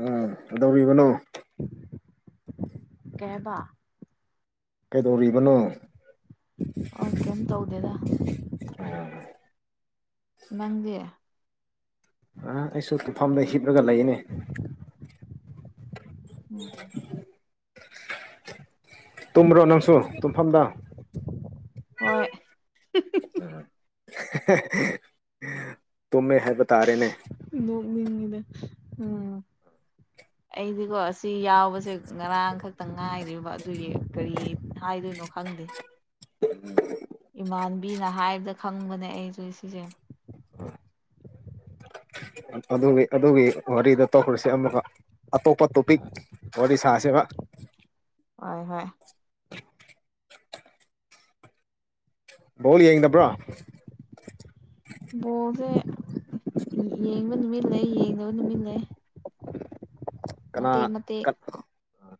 ꯎꯝ ꯀꯗꯧꯔꯤꯕꯅꯣ ꯀꯩ ꯍꯥꯢꯕ ꯀꯩꯗꯧꯔꯤꯕꯅꯣ ꯑꯥꯎ ꯀꯩꯝ ꯇꯧꯗꯦꯗ ꯑꯣ ꯅꯪꯗꯤ ꯑ ꯑꯩꯁꯨ ꯇꯨꯝꯐꯝꯗ ꯍꯤꯞꯂꯒ ꯂꯩꯌꯦꯅꯦ [inaudible] [inaudible] ꯇꯨꯝꯕ꯭ꯔꯣ ꯅꯪꯁꯨ ꯇꯨꯝꯐꯝꯗ ꯍꯣꯏ ꯇꯨꯝꯃꯦ ꯍꯥꯏꯕ ꯇꯥꯔꯦꯅꯦ ꯅꯣꯛꯅꯤꯡꯉꯤꯗ ꯑꯥ [inaudible] ꯑꯩꯗꯤꯀꯣ ꯁꯤ ꯌꯥꯎꯕꯁꯦ ꯉꯔꯥꯡ ꯈꯛꯇꯪ ꯉꯥꯏꯔꯤꯕ ꯑꯗꯨꯒꯤ ꯀꯔꯤ ꯍꯥꯏꯗꯣꯏꯅꯣ ꯈꯪꯗꯦ [inaudible] ꯏꯃꯥꯟꯕꯤꯅ ꯍꯥꯏꯕꯗ ꯈꯪꯕꯅꯦ ꯑꯩꯁꯨ ꯁꯤꯁꯦ ꯑꯗꯨꯒꯤ ꯑꯗꯨꯒꯤ ꯋꯥꯔꯤꯗꯣ ꯇꯧꯈ꯭ꯔꯣꯁꯦ ꯑꯃꯨꯛꯀ ꯑꯇꯣꯞꯄ ꯇꯣꯄꯤꯛ ꯋꯥꯔꯤ ꯁꯥꯁꯦꯕ ꯍꯣꯏ ꯍꯣꯏ ꯕꯣꯜ ꯌꯦꯡꯗꯕꯔꯣ ꯕꯣꯜꯁꯦ ꯌꯦꯡꯕ ꯅꯨꯃꯤꯠ ꯂꯩ ꯌꯦꯡꯗꯕ ꯅꯨꯃꯤꯠ ꯂꯩ ꯀꯅꯥ ꯃꯇꯦꯛ ꯃꯇꯦꯛ ꯀꯠ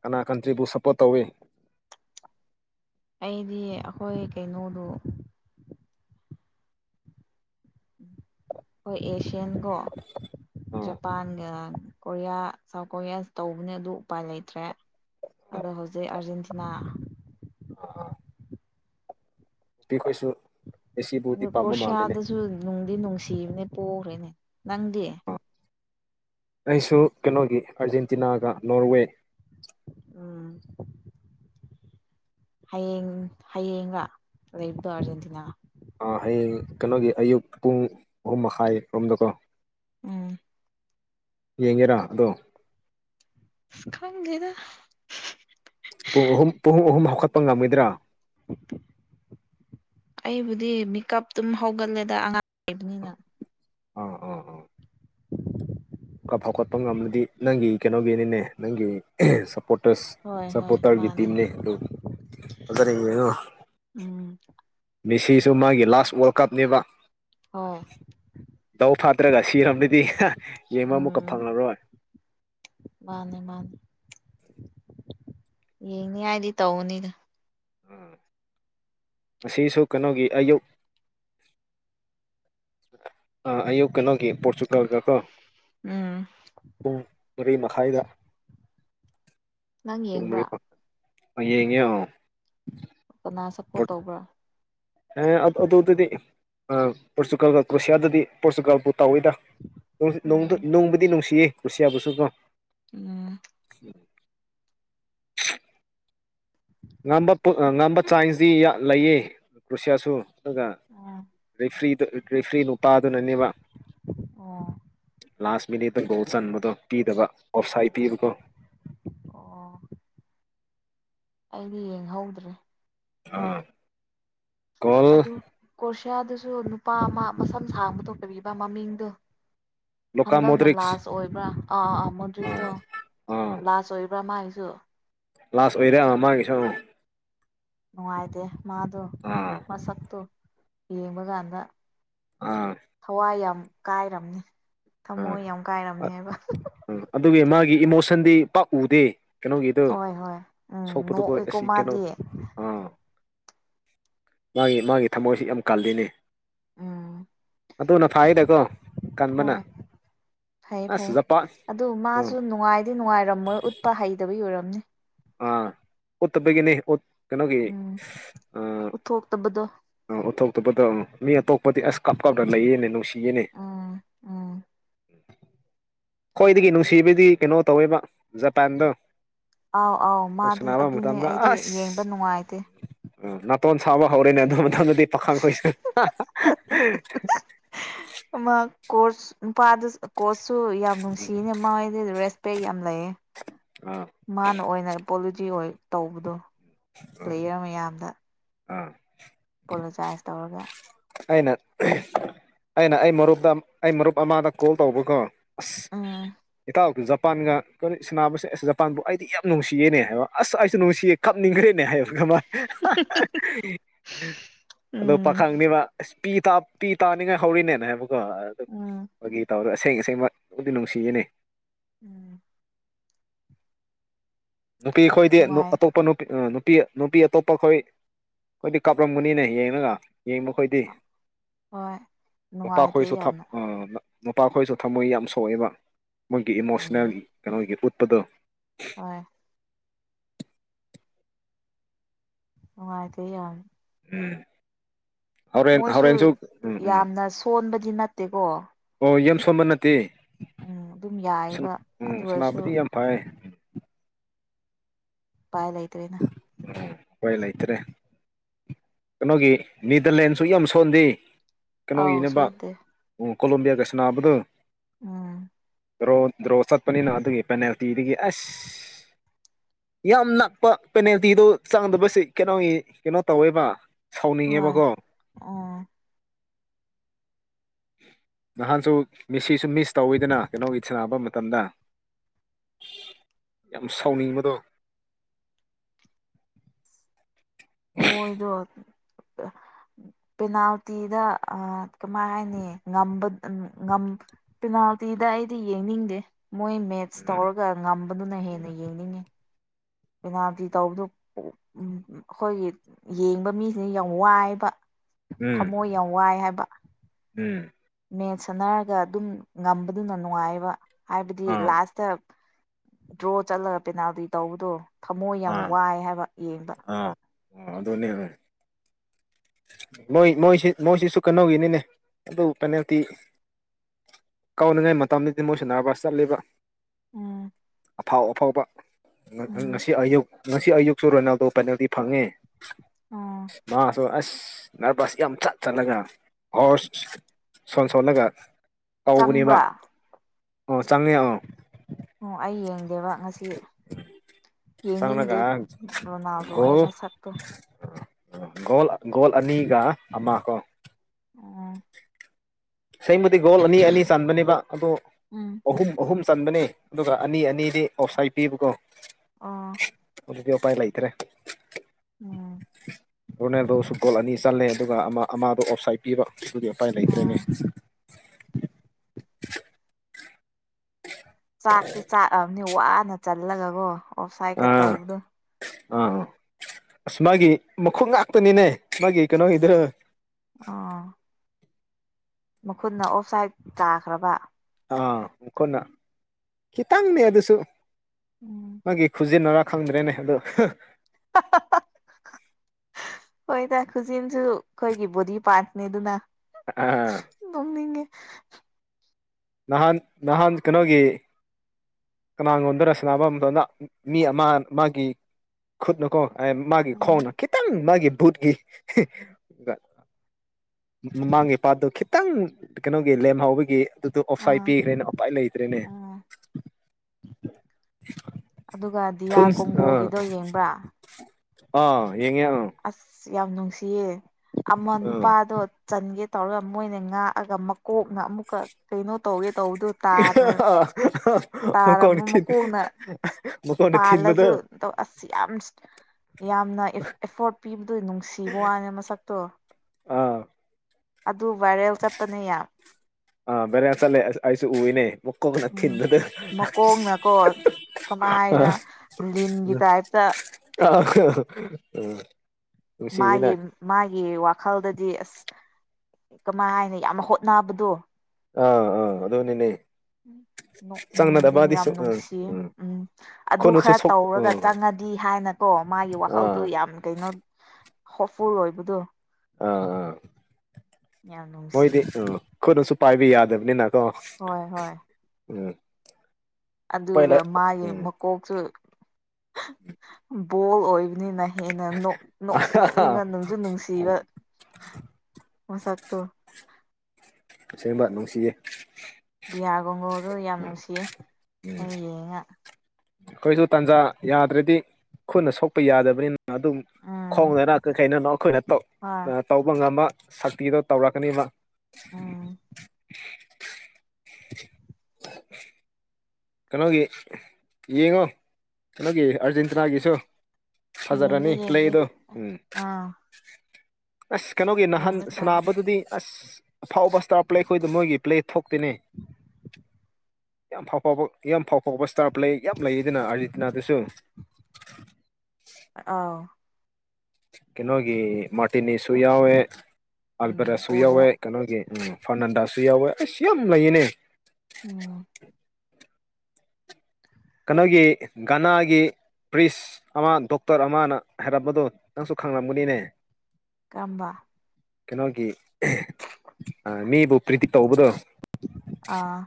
ꯀꯅꯥ ꯀꯟꯇ꯭ꯔꯤꯕꯨ ꯁꯞꯄꯣꯔꯠ ꯇꯧꯋꯤ ꯑꯩꯗꯤ ꯑꯈꯣꯏ ꯀꯩꯅꯣꯗꯣ ꯑꯩꯈꯣꯏ ꯑꯦꯁꯤꯌꯥꯟꯒꯣ ꯑꯥ ꯖꯄꯥꯟꯒ ꯀꯣꯔꯤꯌꯥ ꯁꯥꯎꯠ ꯀꯣꯔꯤꯌꯥ ꯇꯧꯕꯅꯦ ꯑꯗꯨ ꯎꯄꯥꯏ ꯂꯩꯇ꯭ꯔꯦ ꯑꯗꯣ ꯍꯧꯖꯤꯛ ꯑꯥꯔꯖꯦꯟꯇꯤ ꯅ [inaudible] ꯄꯤꯈꯣꯏꯁꯨ ꯑꯗꯨ ꯀꯣꯁꯤꯌꯥꯗꯨꯁꯨ ꯅꯨꯡꯗꯤ ꯅꯨꯡꯁꯤꯕꯅꯦ ꯄꯣꯈ꯭ꯔꯦꯅꯦ ꯅꯪꯗꯤ ꯑꯩꯁꯨ ꯀꯩꯅꯣꯒꯤ ꯑꯥꯔꯖꯦꯟꯇꯤꯅꯥꯒ ꯅꯣꯔꯋꯦ ꯎꯝ ꯍꯌꯦꯡ ꯍꯌꯦꯡꯂ ꯂꯩꯕꯗꯣ ꯑꯥꯔꯖꯦꯟꯇꯤꯅꯥ ꯍꯌꯦꯡ ꯀꯩꯅꯣꯒꯤ ꯑꯌꯨꯛ ꯄꯨꯡ ꯑꯍꯨꯝ ꯃꯈꯥꯏꯔꯣꯝꯗꯀꯣ ꯎꯝ ꯌꯦꯡꯉꯦꯔꯥ ꯑꯗꯣ ꯈꯪꯗꯦꯗ ꯄꯨꯡ ꯑꯍꯨꯝ ꯄꯨꯡ ꯑꯍꯨꯝ ꯍꯥꯀꯠꯄ ꯉꯝꯃꯣꯏꯗ꯭ꯔꯥ ꯑꯩꯕꯨꯗꯤ ꯃꯤꯀꯞꯇꯝ ꯍꯧꯒꯜꯂꯦꯗ ꯑꯉꯥꯡ ꯂꯩꯕꯅꯤꯅ ꯑꯣ ꯑꯣ ꯐꯥꯎꯒꯠꯄ ꯉꯝꯃꯗꯤ ꯅꯪꯒꯤ ꯀꯩꯅꯣꯒꯤꯅꯤꯅꯦ ꯅꯪꯒꯤ ꯁꯄꯣꯔꯇꯔꯁ ꯍꯣꯏ ꯍꯣꯏ ꯁꯄꯣꯔꯇꯔꯒꯤ ꯃꯥꯅꯦ ꯇꯤꯝꯅꯤ ꯑꯗꯨ ꯐꯖꯅ ꯌꯦꯡꯉꯣ ꯎꯝ ꯃꯤꯁꯤꯁꯨ ꯃꯥꯒꯤ ꯂꯥꯁ ꯋꯥꯔꯜ ꯀꯞꯅꯦꯕ ꯍꯣꯏ ꯇꯧ ꯐꯥꯠꯇ꯭ꯔꯒ ꯁꯤꯔꯝꯃꯥꯗꯤ ꯎꯝ ꯃꯥꯅꯦ ꯃꯥꯅꯦ ꯌꯦꯡꯅꯤꯉꯥꯏꯗꯤ ꯇꯧꯒꯥꯅꯤꯗꯥ ꯉꯁꯨ ꯀꯩꯅꯣꯒꯤ ꯑꯌꯨꯛ ꯑ ꯑꯌꯨꯛ ꯀꯩꯅꯣꯒꯤ ꯄꯣꯔꯆꯨꯒꯜꯒꯀꯣ ꯎꯝ ꯎꯨꯡ ꯨ ꯃꯔꯤ ꯃꯈꯥꯏꯗ ꯅꯪ ꯄꯨꯡ ꯌꯦꯡꯕ꯭ꯔꯥ ꯃꯔꯤ ꯌꯦꯡꯉꯤ ꯀꯅꯥ ꯁꯞꯄꯣꯔꯠ ꯇꯧꯕ꯭ꯔꯥ ꯑꯦ ꯑꯗꯨꯗꯗꯤ ꯄꯣꯔꯆꯨꯒꯥꯜꯒ ꯀ꯭ꯔꯣꯁꯤꯌꯥꯗꯗꯤ ꯄꯣꯔꯆꯨꯒꯥꯜꯕꯨ ꯇꯧꯋꯏꯗ ꯎꯝ ꯅꯣꯡꯕꯨꯗꯤ ꯅꯨꯡꯁꯤꯌꯦ ꯀꯔꯣꯁꯤꯌꯥꯕꯨꯁꯨ ꯎꯝ ꯎꯝ ꯉꯝꯕ ꯉꯝꯕ ꯆꯥꯏꯟꯁꯗꯤ ꯂꯩꯌꯦ ꯀ꯭ꯔꯨꯁꯤꯌꯥꯁꯨ ꯑꯗꯨꯒ ꯎꯝ ꯔꯤꯔꯤꯐꯔꯤ ꯅꯨꯄꯥꯗꯨꯅꯅꯤꯕ ꯑꯣ ꯂꯥꯁ ꯃꯤꯅꯤꯠꯇ ꯒꯣꯜ ꯆꯟꯕꯗꯣ ꯄꯤꯗꯕ ꯑꯣꯞꯁꯥꯏꯠ ꯄꯤꯕꯀꯣ ꯑꯣ ꯑꯩꯗꯤ ꯌꯦꯡꯍꯧꯗ꯭ꯔꯦ ꯑ ꯑꯗꯨ ꯀꯣꯁꯤꯌꯥꯗꯨꯁꯨ ꯅꯨꯄꯥ ꯑꯃ ꯃꯁꯝ ꯁꯥꯡꯕꯗꯣ ꯀꯔꯤꯌꯦꯕꯥ ꯃꯃꯤꯡꯗꯣ ꯂꯨꯀꯥ ꯍꯟꯗꯛꯅ ꯃꯣꯗ꯭ꯔꯤꯛꯁ ꯂꯥꯁ ꯑꯣꯏꯕ꯭ꯔꯥ ꯑꯥ ꯑꯥ ꯃꯨꯟꯇ꯭ꯔꯤꯛꯇꯣ ꯑꯥ ꯂꯥꯁ ꯑꯣꯏꯕ꯭ꯔꯥ ꯃꯥ ꯑꯩꯁꯨ ꯂꯥꯁ ꯑꯣꯏꯔꯦ ꯃꯥꯒꯤꯁꯨ ꯅꯨꯡꯉꯥꯏꯇꯦ ꯃꯥꯗꯣ ꯑꯥ ꯃꯁꯛꯇꯨ ꯌꯦꯡꯕ ꯀꯥꯟꯗ ꯑꯥ ꯊꯋꯥꯏ ꯌꯥꯝ ꯀꯥꯏꯔꯝꯅꯤ ꯑꯥ ꯊꯃꯣꯏ ꯌꯥꯝ ꯑ ꯀꯥꯏꯔꯝꯅꯤ ꯍꯥꯏꯕ ꯎꯝ ꯑꯗꯨꯒꯤ ꯃꯥꯒꯤ ꯏꯃꯣꯁꯟꯗꯤ ꯄꯥꯛꯎꯗꯦ ꯀꯩꯅꯣꯒꯤꯗꯨ ꯍꯣꯏ ꯍꯣꯏ ꯎꯝ ꯁꯣꯛꯄꯗꯨꯀꯣ ꯅꯣꯛꯑꯦꯀꯣ ꯑꯁꯤ ꯀꯩꯅꯣ ꯃꯥꯗꯤ ꯑꯥ ꯃꯥꯒꯤ ꯃꯥꯒꯤ ꯊꯃꯣꯏꯁꯤ ꯌꯥꯝ ꯀꯥꯜꯂꯤꯅꯤ꯫ ꯎꯝ ꯑꯗꯨꯅ ꯐꯥꯔꯤꯗꯀꯣ ꯀꯟꯕꯅ꯫ ꯐꯩꯌꯦ ꯑꯁ ꯐꯩꯌꯦ ꯖꯄꯥꯟ ꯑꯗꯨ ꯑꯥ ꯃꯥꯁꯨ ꯅꯨꯡꯉꯥꯏꯗꯤ ꯅꯨꯡꯉꯥꯏꯔꯝꯃꯣꯏ ꯎꯠꯄ ꯍꯩꯇꯕ ꯑꯣꯏꯔꯝꯅꯤ꯫ ꯑꯥ ꯎꯠꯇꯕꯒꯤꯅꯤ ꯀꯩꯅꯣꯒꯤ ꯎꯝ ꯑ ꯎꯠꯊꯣꯛꯇꯕꯗꯣ ꯑꯥ ꯎꯠꯊꯣꯛꯇꯕꯗꯣ ꯃꯤ ꯑꯇꯣꯞꯄꯗꯤ ꯑꯁ ꯀꯞ ꯀꯞꯂ ꯂꯩꯌꯦꯅꯦ ꯅꯨꯡꯁꯤꯌꯦꯅꯦ꯫ ꯎꯝ ꯎꯝ ꯈ꯭ꯋꯥꯏꯗꯒꯤ ꯅꯨꯡꯁꯤꯕꯗꯤ ꯀꯩꯅꯣ ꯇꯧꯋꯦꯕ ꯖꯄꯥꯟꯗꯣ꯫ ꯑꯥꯎ ꯑꯥꯎ ꯃꯥ ꯁꯥꯟꯅꯕ ꯑꯗꯨꯅꯦ ꯑꯩꯗꯤ ꯌꯦꯡꯕ ꯅꯨꯡꯉꯥꯏꯇꯦ꯫ ꯎꯝ ꯅꯥꯇꯣꯟ ꯁꯥꯕ ꯍꯧꯔꯦꯅꯦ ꯑꯗꯨꯝ ꯃꯇꯝꯗꯗꯤ ꯄꯥꯈꯥꯡ ꯈꯣꯏꯁꯨ꯫ ꯑꯃ ꯀꯣꯁ ꯅꯨꯄꯥ ꯀꯣꯁꯁꯨ ꯌꯥꯝ ꯅꯨꯡꯁꯤꯅ ꯃꯣꯏꯗꯤ ꯔꯦꯁꯄꯦꯛ ꯌꯥꯝ ꯂꯩꯌꯦ꯫ ꯑꯥ꯫ ꯃꯥꯅ ꯑꯣꯏꯅ ꯄꯣꯂꯣꯖꯤ ꯑꯣꯏ ꯇꯧꯕꯗꯣ ꯄ꯭ꯂꯦꯌꯔ ꯃꯌꯥꯝꯗ꯫ ꯑꯥ꯫ ꯑꯦꯄꯣꯂꯣꯆꯥꯏꯁ ꯇꯧꯔꯒ꯫ ꯑꯩꯅ ꯑꯩꯅ ꯑꯩ ꯃꯔꯨꯞꯇ ꯑꯩ ꯃꯔꯨꯞ ꯑꯃꯗ ꯀꯣꯜ ꯇꯧꯕꯀꯣ꯫ ꯑꯁ ꯎꯝ ꯏꯇꯥꯎ ꯖꯞ ꯖꯄꯥꯟꯒ ꯀꯩꯅꯣ ꯁꯅꯥꯕꯁꯦ ꯑꯁ ꯖꯄꯥꯟꯕꯨ ꯑꯩꯗꯤ ꯌꯥꯝ ꯅꯨꯡꯁꯤꯌꯦꯅꯦ ꯍꯥꯏꯕ ꯑꯁ ꯑꯩꯁꯨ ꯅꯨꯡꯁꯤꯌꯦ ꯀꯞꯅꯤꯡꯈ꯭ꯔꯦꯅꯦ ꯍꯥꯏꯕ꯫ ꯑꯗꯣ ꯃꯥ ꯑꯗꯣ ꯎꯝ ꯄꯥꯈꯪꯅꯦꯕ꯫ ꯑꯁ ꯄꯤ ꯄꯤ ꯇꯥꯅꯤꯡꯉꯥꯏ ꯍꯧꯔꯤꯅꯦꯅ ꯍꯥꯏꯕꯀꯣ ꯎꯝ ꯑꯗꯨꯒꯤ ꯇꯧꯗꯣ ꯑꯁꯦꯡ ꯑꯁꯦꯡꯕ꯫ ꯑꯗꯨꯗꯤ ꯅꯨꯡꯁꯤꯌꯦꯅꯦ꯫ ꯎꯝ꯫ ꯅꯨꯄꯤ ꯑꯩꯈꯣꯏꯗꯤ ꯅꯨꯡꯉꯥꯏ ꯑꯇꯣꯞꯄ ꯅꯨꯄꯤ ꯅꯨꯄꯤ ꯅꯨꯄꯤ ꯑꯇꯣꯞꯄ ꯑꯩꯈꯣꯏ ꯑꯩꯈꯣꯏꯗꯤ ꯀꯥꯞꯂꯝꯒꯅꯤꯅ ꯌꯦꯡꯉꯒ ꯌꯦꯡꯕ ꯑꯩꯈꯣꯏꯗꯤ ꯍꯣꯏ ꯅꯨꯡꯉꯥꯏꯇꯦ ꯂꯄꯥꯈꯣꯏꯁꯨ ꯊ ꯌꯥꯝꯅ ꯅꯨꯄꯥꯈꯣꯏꯁꯨ ꯊꯝꯃꯣꯏ ꯌꯥꯝ ꯁꯣꯛꯑꯦꯕ ꯃꯣꯏꯒꯤ ꯏꯃꯣꯁꯟꯅꯜ ꯎꯝ ꯀꯩꯅꯣꯒꯤ ꯎꯠꯄꯗꯣ꯫ ꯍꯣꯏ꯫ ꯅꯨꯡꯉꯥꯏꯇꯦ ꯌꯥꯝ꯫ ꯎꯝ꯫ ꯃꯣꯏꯁꯨ ꯎꯝ ꯎꯝ ꯌꯥꯝꯅ ꯁꯣꯟꯕꯗꯤ ꯅꯠꯇꯦꯀꯣ꯫ ꯑꯣ ꯌꯥꯝ ꯁꯣꯟꯕ ꯅꯠꯇꯦ ꯎꯝ ꯑꯗꯨꯝ ꯌꯥꯏꯕ ꯎꯝ ꯑꯗꯨ ꯑꯣꯏꯔꯁꯨ ꯁꯅꯥꯄꯗꯤ ꯌꯥꯝ ꯐꯩꯌꯦ꯫ ꯄꯥꯏ ꯂꯥꯏꯇ꯭ꯔꯦ꯫ ꯍꯣꯏ ꯂꯩꯇ꯭ꯔꯦ꯫ ꯀꯩꯅꯣꯒꯤ ꯅꯤꯗꯔꯂꯦꯟꯁꯨ ꯌꯥꯝ ꯁꯣꯟꯗꯦ ꯑꯧ ꯀꯩꯅꯣꯒꯤꯅꯦꯅꯕ꯫ ꯁꯣꯟꯗꯦ ꯑꯣ ꯀꯣꯝꯂꯤꯌꯥꯒ ꯁꯥꯅꯕꯗꯨ ꯎꯝ꯫ ꯗ꯭ꯔꯣ ꯗ꯭ꯔꯣ ꯆꯠꯄꯅꯤꯅ ꯑꯗꯨꯒꯤ ꯄꯦꯅꯥꯜꯇꯤꯗꯒꯤ ꯑꯁ꯫ ꯌꯥꯝ ꯅꯛꯄ ꯄꯦꯅꯥꯜꯇꯤꯗꯨ ꯆꯪꯗꯕꯁꯤ ꯀꯩꯅꯣꯅꯤ ꯀꯩꯅꯣ ꯇꯧꯋꯦꯕ꯫ ꯍꯣꯏ ꯁꯥꯎꯅꯤꯡꯉꯦꯕꯀꯣ ꯑꯣ꯫ ꯅꯍꯥꯟꯁꯨ ꯃꯤꯁꯤꯁꯨ ꯃꯤꯁ ꯇꯧꯋꯤꯗꯅ ꯀꯩꯅꯣꯒꯤ ꯁꯥꯟꯕ ꯃꯇꯝꯗ꯫ ꯌꯥꯝ ꯁꯥꯎꯅꯤꯡꯕꯗꯣ꯫ ꯃꯣꯏꯗꯣ [inaudible] ꯄꯦꯅꯥꯜꯇꯤꯗ ꯀꯃꯥꯏ ꯍꯥꯏꯅꯤ ꯉꯝꯕ ꯉꯝ ꯄꯦꯅꯥꯜꯇꯤꯗ ꯑꯩꯗꯤ ꯌꯦꯡꯅꯤꯡꯗꯦ ꯃꯣꯏ ꯃꯦꯠꯁ ꯎꯝ ꯇꯧꯔꯒ ꯉꯝꯕꯗꯨꯅ ꯍꯦꯟꯅ ꯌꯦꯡꯅꯤꯡꯉꯦ꯫ ꯄꯦꯅꯥꯜꯇꯤ ꯇꯧꯕꯗꯨ ꯑꯣ ꯎꯝ ꯎꯝ ꯑꯈꯣꯏꯒꯤ ꯌꯦꯡꯕ ꯃꯤꯁꯤꯡꯗꯤ ꯌꯥꯝ ꯋꯥꯏꯕ ꯎꯝ ꯊꯝꯃꯣꯏ ꯌꯥꯝ ꯋꯥꯏ ꯍꯥꯏꯕ ꯎꯝ ꯃꯦꯠ ꯁꯥꯟꯅꯔꯒ ꯑꯗꯨꯝ ꯉꯝꯕꯗꯨꯅ ꯅꯨꯡꯉꯥꯏꯌꯦꯕ ꯍꯥꯏꯕꯗꯤ ꯑꯥ ꯂꯥꯁꯇ ꯗ꯭ꯔꯣ ꯆꯠꯂꯒ ꯄꯦꯅꯥꯜꯇꯤ ꯇꯧꯕꯗꯣ ꯊꯝꯃꯣꯏ ꯌꯥꯝ ꯑꯥ ꯋꯥꯏ ꯍꯥꯏꯕ ꯌꯦꯡꯕ ꯑꯥ ꯑꯣ ꯑꯗꯨꯅꯦꯃꯦ ꯃꯣꯏ ꯃꯣꯏꯁꯤ ꯃꯣꯏꯁꯤꯁꯨ ꯀꯩꯅꯣꯒꯤꯅꯤꯅꯦ ꯑꯗꯨ ꯄꯦꯅꯥꯜꯇꯤ ꯀꯥꯎꯅꯤꯉꯥꯢ ꯃꯇꯝꯗꯗꯤ ꯃꯣꯏꯁꯨ ꯅꯥꯔꯕꯁ ꯆꯠꯂꯦꯕ ꯎꯝ ꯑꯐꯥꯎ ꯑꯐꯥꯎꯕ ꯎꯝ ꯉꯁꯤ ꯑꯌꯨꯛ ꯉꯁꯤ ꯑꯌꯨꯛꯁꯨ ꯔꯣꯅꯥꯜꯗꯣ ꯄꯦꯅꯥꯜꯇꯤ ꯐꯪꯉꯦ ꯎꯝ ꯃꯥ ꯑꯣ ꯑꯁ ꯅꯔꯚꯁ ꯌꯥꯝ ꯆꯠ ꯆꯠꯂꯒ ꯑꯣꯁ ꯁꯣꯟ ꯁꯣꯜꯂꯒ ꯀꯧꯕꯅꯤꯕ ꯆꯪꯕ꯭ꯔꯥ ꯑꯣ ꯆꯪꯉꯦꯌꯥꯎ ꯑꯣ ꯑꯩ ꯌꯦꯡꯗꯦꯕ ꯉꯁꯤ ꯌꯦꯡꯅꯤꯡꯗꯦ ꯆꯪꯉꯒ ꯔꯣꯅꯥꯜꯗꯣ ꯒꯣꯜ ꯑꯩꯅ ꯁꯛꯇꯦ ꯒꯣꯜ ꯒꯣꯜ ꯑꯅꯤꯒ ꯑꯃ ꯀꯣ ꯎꯝ ꯁꯦꯡꯕꯗꯤ ꯒꯣꯜ ꯑꯅꯤ ꯑꯅꯤ ꯆꯟꯕꯅꯦꯕ ꯑꯗꯣ ꯎꯝ ꯑꯍꯨꯝ ꯑꯍꯨꯝ ꯆꯟꯕꯅꯦ ꯑꯗꯨꯒ ꯑꯅꯤ ꯑꯅꯤꯗꯤ ꯑꯣꯐꯁꯥꯏꯠ ꯄꯤꯕꯀꯣ ꯑꯥ ꯍꯧꯖꯤꯛꯇꯤ ꯎꯄꯥꯏ ꯂꯩꯇꯔꯦ ꯎꯝ ꯔꯣꯅꯦꯜꯗꯣ ꯁꯨ ꯒꯣꯜ ꯑꯅꯤ ꯆꯜꯂꯦ ꯑꯗꯨꯒ ꯑꯃ ꯑꯃꯗꯣ ꯑꯣꯐꯁꯥꯏꯠ ꯄꯤꯔꯛꯄꯗꯨ ꯎꯄꯥꯏ ꯂꯩꯇ꯭ꯔꯦꯅꯦ ꯑꯣ [unintelligible] [unintelligible] ꯆꯥꯛꯇꯤ ꯆꯥꯛꯑꯕꯅꯤ ꯋꯥꯅ ꯆꯜꯂꯒꯀꯣ ꯑꯣꯐ ꯁꯥꯏꯠꯀ ꯑꯥ ꯇꯧꯕꯗꯣ ꯑꯥ ꯑꯁ ꯃꯥꯒꯤ ꯃꯈꯨꯠ ꯉꯥꯛꯄꯅꯤꯅꯦ ꯃꯥꯒꯤ ꯀꯩꯅꯣꯒꯤꯗ꯭ꯔꯥ ꯑꯥ ꯃꯈꯨꯠꯅ ꯑꯣꯐ ꯁꯥꯏꯠ ꯇꯥꯈ꯭ꯔꯕ ꯑꯥ ꯃꯈꯣꯏꯅ ꯈꯤꯇꯪꯅꯦ ꯑꯗꯨꯁꯨ ꯎꯝ ꯃꯥꯒꯤ ꯈꯨꯖꯤꯟꯅꯔꯛ ꯈꯪꯗ꯭ꯔꯦꯅꯦ ꯑꯗꯣ [unintelligible] ꯍꯣꯏꯗ ꯈꯨꯖꯤꯟꯁꯨ ꯑꯈꯣꯏꯒꯤ ꯕꯣꯗꯤ ꯄꯥꯔꯠꯅꯦ ꯑꯗꯨꯅ [unintelligible] ꯅꯣꯛꯅꯤꯡꯉꯦ ꯅꯍꯥꯟ ꯅꯍꯥꯟ ꯀꯩꯅꯣꯒꯤ ꯀꯅꯥꯉꯣꯟꯗꯔ ꯁꯥꯟꯅꯕ ꯃꯇꯝꯗ ꯃꯤ ꯑꯃ ꯃꯥꯒꯤ ꯈꯨꯠꯅꯀꯣ [unintelligible] ꯃꯥꯒꯤ ꯎꯝ ꯈꯣꯡꯅ ꯈꯤꯇꯪ ꯃꯥꯒꯤ ꯚꯨꯠꯀꯤ ꯃꯃꯥꯡꯒꯤ ꯄꯥꯔꯠꯇꯣ ꯈꯤꯇꯪ ꯀꯩꯅꯣꯒꯤ ꯂꯦꯝꯍꯥꯎꯕꯒꯤ ꯑꯗꯨꯗ ꯑꯣꯐ ꯁꯥꯢꯠ ꯑꯥ ꯄꯤꯈ꯭ꯔꯦꯅꯦ ꯎꯞꯄꯥꯏ ꯂꯩꯇ꯭ꯔꯦꯅꯦ ꯑꯥ ꯑꯗꯨꯒ ꯗꯤꯌꯥ ꯊꯨꯟꯁ ꯑꯥ ꯀꯣꯡꯒꯣꯒꯤꯗꯣ ꯌꯦꯡꯕ꯭ꯔꯥ ꯑꯥ ꯌꯦꯡꯉꯦ ꯑꯁ ꯌꯥꯝ ꯅꯨꯡꯁꯤꯌꯦ ꯑꯃ ꯑꯥ ꯅꯨꯄꯥꯗꯣ ꯆꯟꯒꯦ ꯇꯧꯔꯒ ꯃꯣꯏꯅ ꯉꯥꯛꯑꯒ ꯃꯀꯣꯛꯅ ꯑꯃꯨꯛꯀ ꯀꯩꯅꯣ ꯇꯧꯒꯦ ꯇꯧꯕꯗꯨ ꯇꯥꯗꯅ ꯑꯥ ꯃꯀꯣꯛꯅ ꯇꯥꯔꯝꯕ ꯊꯤꯟ ꯃꯀꯣꯛꯅ ꯃꯀꯣꯛꯅ ꯄꯥꯜꯂꯁꯨ ꯊꯤꯟꯕꯗꯣ ꯑꯗꯣ ꯑꯁꯤ ꯌꯥꯝ ꯌꯥꯝꯅ ꯑꯦꯐꯣꯔꯠ ꯄꯤꯕꯗꯣ ꯅꯨꯡꯁꯤꯕ ꯋꯥꯅꯦ ꯃꯁꯛꯇꯣ ꯑꯥ ꯑꯗꯨ ꯚꯥꯏꯔꯦꯜ ꯆꯠꯄꯅꯦ ꯌꯥꯝ ꯑꯥ ꯚꯥꯏꯔꯦꯜ ꯆꯠꯂꯦ ꯑꯩꯁꯨ ꯎꯏꯅꯦ ꯃꯀꯣꯛꯅ ꯎꯝ ꯊꯤꯟꯕꯗꯣ ꯃꯀꯣꯛꯅꯀꯣ ꯀꯃꯥꯏ ꯍꯥꯏꯁꯤꯔ ꯑꯥ ꯂꯤꯟꯒꯤ ꯇꯥꯏꯞꯇ ꯑꯥ ꯑꯥ ꯃꯥꯒꯤ ꯃꯥꯒꯤ ꯋꯥꯈꯜꯗꯗꯤ ꯑꯁ ꯀꯃꯥꯏꯅ ꯍꯥꯏꯅꯤ ꯌꯥꯝ ꯍꯣꯠꯅꯕꯗꯣ ꯑꯥ ꯑꯥ ꯑꯗꯨꯅꯤꯅꯦ ꯎꯝ ꯅꯨꯡꯗꯤ ꯆꯪꯅꯗꯕꯗꯤ ꯌꯥꯝ ꯁꯨ ꯎꯝ ꯅꯨꯡꯁꯤꯌꯦ ꯎꯝ ꯑꯗꯨ ꯈꯨꯠꯅꯁꯨ ꯈꯔ ꯁꯣꯛ ꯇꯧꯔꯒ ꯎꯝ ꯆꯪꯉꯗꯤ ꯍꯥꯏꯅꯀꯣ ꯃꯥꯒꯤ ꯋꯥꯈꯜꯗꯨ ꯑꯥ ꯌꯥꯝ ꯀꯩꯅꯣ ꯍꯣꯞꯐꯨꯜ ꯑꯣꯏꯕꯗꯨ ꯑꯥ ꯑꯥ ꯌꯥꯝ ꯅꯨꯡꯁꯤꯌꯦ ꯃꯣꯏꯗꯤ ꯈꯨꯠꯅꯁꯨ ꯄꯥꯏꯕ ꯌꯥꯗꯕꯅꯤꯅ ꯑꯣ ꯍꯣꯏ ꯍꯣꯏ ꯎꯝ ꯎꯄꯥꯏ ꯑꯗꯨꯒ ꯂꯩ ꯃꯥꯒꯤ ꯎꯝ ꯃꯀꯣꯛꯁꯨ ꯕꯣꯜ ꯑꯣꯏꯕꯅꯤꯅ ꯍꯦꯟꯅ ꯅꯣꯛ ꯅꯣꯛꯁꯨ ꯅꯤꯡꯉ ꯅꯨꯡꯖꯨ ꯅꯨꯡꯁꯤꯕ ꯃꯁꯛꯇꯣ ꯑꯁꯦꯡꯕ ꯅꯨꯡꯁꯤꯌꯦ ꯗꯤ ꯑꯥꯔ ꯀꯣꯡꯒꯣꯗꯣ ꯌꯥꯝ ꯎꯝ ꯅꯨꯡꯁꯤꯌꯦ ꯎꯝ ꯑꯩ ꯌꯦꯡꯉ ꯑꯩꯈꯣꯏꯁꯨ ꯇꯥꯟꯖꯥ ꯌꯥꯗ꯭ꯔꯗꯤ ꯈꯨꯠꯅ ꯁꯣꯛꯄ ꯌꯥꯗꯕꯅꯤꯅ ꯑꯗꯨꯝ ꯎꯝ ꯈꯣꯡꯅꯔ ꯀꯩ ꯀꯩꯅꯅꯣ ꯑꯩꯈꯣꯏꯅ ꯍꯣꯏ ꯇꯧꯕ ꯉꯝꯕ ꯁꯛꯇꯤꯗꯣ ꯇꯧꯔꯛꯀꯅꯤꯕ ꯎꯝ ꯀꯩꯅꯣꯒꯤ ꯌꯦꯡꯉꯣ ꯀꯩꯅꯣꯒꯤ ꯑꯥꯔꯖꯦꯟꯇꯤꯅꯥꯒꯤꯁꯨ ꯌꯦꯡꯒꯦ ꯐꯖꯔꯅꯤ ꯌꯦꯡꯒꯦ ꯄꯂꯦꯗꯣ ꯎꯝ ꯑꯥ ꯑꯁ ꯀꯩꯅꯣꯒꯤ ꯅꯍꯥꯟ ꯌꯦꯡꯕ ꯇꯥꯔꯦ ꯁꯥꯅꯕꯗꯨꯗꯤ ꯑꯁ ꯑꯐꯥꯎꯕ ꯏꯁꯇꯥꯔ ꯄꯂꯦꯌꯔ ꯈꯣꯏꯗꯣ ꯃꯣꯏꯒꯤ ꯄꯂꯦ ꯊꯣꯛꯇꯦꯅꯦ ꯌꯥꯝ ꯐꯕ ꯐꯕ ꯌꯥꯝ ꯐꯥꯎ ꯐꯥꯎꯕ ꯏꯁꯇꯥꯔ ꯄꯂꯦꯌꯔ ꯌꯥꯝ ꯂꯩꯗꯅ ꯑꯥꯔꯖꯦꯟꯇꯤꯅꯥꯗꯁꯨ ꯑꯥꯎ ꯀꯩꯅꯣꯒꯤ ꯃꯥꯔꯇꯤꯅꯤꯖꯁꯨ ꯌꯥꯎꯋꯦ ꯎꯝ ꯑꯜꯕꯥꯔꯦꯁꯁꯨ ꯎꯗꯦ ꯌꯥꯎꯋꯦ ꯀꯩꯅꯣꯒꯤ ꯎꯝ ꯐꯥꯔꯅꯥꯟꯗꯦꯁꯁꯨ ꯌꯥꯎꯋꯦ ꯑꯩꯁ ꯌꯥꯝ ꯂꯩꯌꯦꯅꯦ ꯎꯝ ꯒꯅꯥꯒꯤ ꯒꯅꯥꯒꯤ ꯄ꯭ꯔꯤꯁ ꯑꯃ ꯗꯣꯛꯇꯔ ꯑꯃꯅ ꯍꯥꯏꯔꯝꯕꯗꯨ ꯅꯪꯁꯨ ꯈꯪꯂꯝꯒꯅꯤꯅꯦ ꯀꯔꯝꯕ ꯀꯩꯅꯣꯒꯤ ꯃꯤꯕꯨ ꯄꯔꯤꯗꯤꯛ ꯇꯧꯕꯗꯣ ꯑꯥ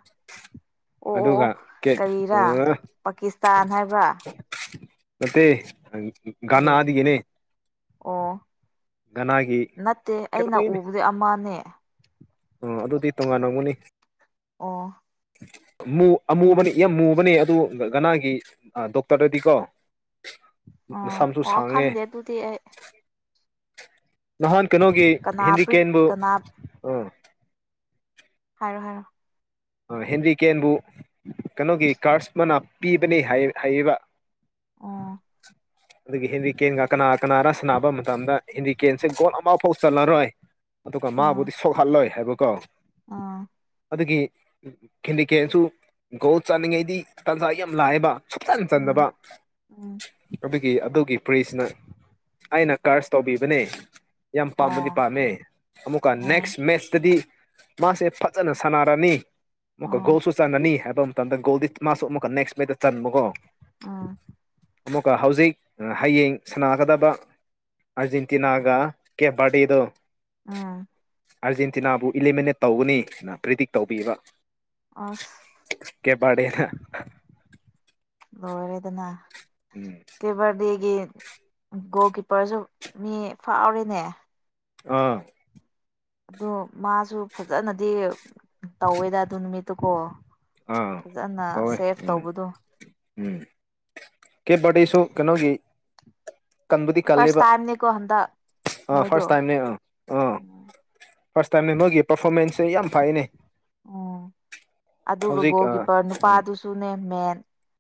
ꯑꯣ ꯑꯣ ꯑꯗꯨꯒ ꯀꯦ ꯀꯔꯤꯔ ꯄꯥꯀꯤꯁꯇꯥꯟ ꯍꯥꯏꯕ꯭ꯔ ꯅꯠꯇꯦ ꯀꯔꯤ ꯒꯅꯥꯗꯒꯤꯅꯦ ꯑꯣ ꯒꯅꯥꯒꯤ ꯅꯠꯇꯦ ꯑꯩꯅ ꯎꯕꯗꯤ ꯑꯃꯅꯦ ꯑꯣ ꯑꯗꯨꯗꯤ ꯇꯣꯉꯥꯟꯂꯝꯒꯅꯤ ꯑꯣ ꯨꯃꯨ ꯑꯃꯨꯕꯅꯤ ꯌꯥꯝ ꯃꯨꯕꯅꯦ ꯑꯗꯨ ꯒꯅꯥꯒꯤ ꯗꯣꯛꯇꯔꯗꯗꯤꯀꯣ ꯑꯣ ꯃꯁꯝꯁꯨ ꯑꯣ ꯁꯥꯡꯉꯦ ꯈꯪꯗꯦ ꯑꯗꯨꯗꯤ ꯑꯩ ꯅꯍꯥꯟ ꯀꯩꯅꯣꯒꯤ ꯀꯅꯥ ꯍꯦꯔꯤ ꯄ꯭ꯔꯤꯛ ꯀꯦꯟꯕꯨ ꯀꯅꯥ ꯎꯝ ꯍꯥꯏꯔꯣ ꯍꯥꯏꯔꯣ ꯍꯦꯟꯔꯤ ꯀꯦꯟꯕꯨ ꯀꯩꯅꯣꯒꯤ ꯀꯥꯔꯁ ꯃꯅꯥ ꯄꯤꯕꯅꯤ ꯍꯥꯏꯌꯦꯕ ꯑꯣ ꯑꯗꯨꯒꯤ ꯍꯦꯟꯔꯤꯀꯦꯟꯒ ꯀꯅꯥ ꯀꯅꯥꯔ ꯁꯟꯅꯕ ꯃꯇꯝꯗ ꯍꯦꯟꯔꯤꯀꯦꯟꯁꯦ ꯒꯣꯜ ꯑꯃ ꯐꯥꯎ ꯆꯠꯂꯔꯣꯏ ꯑꯗꯨꯒ ꯑꯣ ꯃꯥꯕꯨꯗꯤ ꯁꯣꯛꯍꯜꯂꯣꯏ ꯍꯥꯏꯕꯀꯣ ꯑꯣ ꯑꯗꯨꯒꯤ ꯀꯦꯟꯔꯤꯀꯦꯟꯁꯨ ꯒꯣꯜ ꯆꯥꯅꯤꯡꯉꯩꯗꯤ ꯇꯟꯖꯥ ꯌꯥꯝ ꯂꯥꯛꯑꯦꯕ ꯁꯨꯡꯆꯟ ꯆꯟꯗꯕ ꯎꯝ ꯎꯝ ꯑꯗꯨꯒꯤ ꯑꯗꯨꯒꯤ ꯄ꯭ꯔꯤꯁꯅ ꯑꯩꯅ ꯀꯔꯁ ꯇꯧꯕꯤꯕꯅꯦ ꯌꯥꯝ ꯄꯥꯝꯕꯗꯤ ꯑꯣ ꯄꯥꯝꯃꯦ ꯑꯃꯨꯛꯀ ꯅꯦꯛꯁ ꯑꯣ ꯃꯦꯠꯁꯇꯗꯤ ꯃꯥꯁꯦ ꯐꯖꯅ ꯁꯥꯟꯅꯔꯅꯤ ꯃꯨꯛꯀ ꯎꯝ ꯒꯣꯜꯁꯨ ꯆꯥꯟꯅꯅꯤ ꯍꯥꯏꯕ ꯑꯃ ꯇꯗꯟ ꯒꯣꯜꯗꯤ ꯃꯥꯁꯨ ꯑꯃꯨꯛꯀ ꯅꯦꯛꯁ ꯄ꯭ꯂꯦꯗ ꯆꯟꯕꯀꯣ ꯑꯥ ꯀ ꯍꯧꯖꯤꯛ ꯍꯌꯦꯡ ꯁꯥꯟꯅꯥꯒꯗꯕ ꯑꯔꯖꯦꯟꯇꯤꯅꯥꯒ ꯀꯦꯕꯥꯗꯤꯗꯨ ꯑꯥ ꯑꯥꯔꯖꯦꯟꯇꯤꯅꯥꯕꯨ ꯏꯂꯤꯃꯤꯅꯦꯠ ꯇꯧꯒꯅꯤꯅ ꯄ꯭ꯔꯤꯗꯤꯛ ꯇꯧꯕꯤꯕ ꯑꯁ ꯀꯦꯞ ꯕꯥꯔꯗꯦꯅ ꯂꯣꯏꯔꯦꯗꯅ ꯎꯝ ꯐꯦꯕꯔꯗꯦꯒꯤ ꯒꯣꯜ ꯀꯤꯞꯄꯔꯁꯨ ꯃꯤ ꯐꯥꯎꯔꯦꯅꯦ ꯑ ꯑꯗꯣ ꯃꯥꯁꯨ ꯐꯖꯅꯗꯤ ꯇꯧꯋꯦꯗ ꯑꯗꯨ ꯅꯨꯃꯤꯠꯇꯨꯀꯣ ꯑꯥ ꯐꯖꯅ ꯇꯧꯋꯦ ꯁꯦꯐ ꯎꯝ ꯇꯧꯕꯗꯨ ꯎꯝ ꯀꯦꯕꯔꯗꯦꯁꯨ ꯀꯩꯅꯣꯒꯤ ꯀꯟꯕꯗꯤ ꯐꯥꯔꯁ ꯀꯜꯂꯦꯕ ꯇꯥꯏꯝꯅꯦꯀꯣ ꯍꯟꯗꯛ ꯑꯥ ꯃꯣꯏꯗꯣ ꯐꯥꯔꯁ ꯇꯥꯏꯝꯅꯦ ꯑꯥ ꯑꯥ ꯐꯥꯔꯁ ꯇꯥꯏꯝꯅꯦ ꯃꯣꯏꯒꯤ ꯄꯔꯐꯣꯔꯃꯦꯟꯁꯁꯦ ꯌꯥꯝ ꯐꯩꯅꯦ ꯎꯝ ꯑꯗꯨꯒ ꯍꯧꯖꯤꯛ ꯒꯣꯜ ꯑꯥ ꯀꯤꯄꯔ ꯎꯝ ꯅꯨꯄꯥꯗꯨꯁꯨꯅꯦ ꯃꯦꯟ